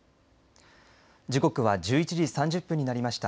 時刻は１１時３０分になりました。